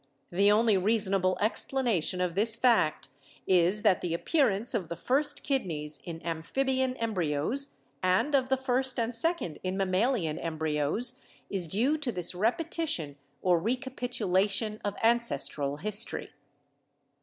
The only rea sonable explanation of this fact is that the appearance of the first kidneys in amphibian embryos and of the first and second in mammalian embryos is due to this repetition or recapitulation of ancestral history.